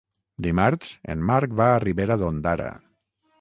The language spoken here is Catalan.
Dimarts en Marc va a Ribera d'Ondara.